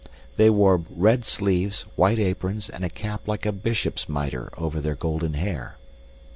They wore red sleeves, white aprons, and a cap like a bishop's miter over their golden hair.